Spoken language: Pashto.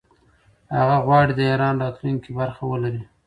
هغه غواړي د ایران راتلونکې کې برخه ولري.